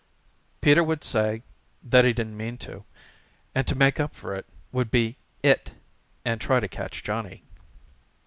Peter would say that he didn't mean to, and to make up for it would be "it" and try to catch Johnny.